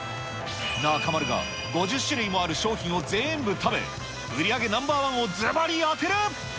中丸が５０種類もある商品を全部食べ、売り上げナンバー１をずばり当てる。